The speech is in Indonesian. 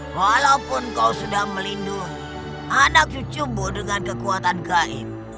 walaupun kau sudah melindungi anak cucumu dengan kekuatan gaib